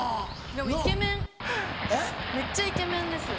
でもイケメンめっちゃイケメンです。